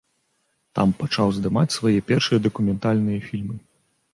Там пачаў здымаць свае першыя дакументальныя фільмы.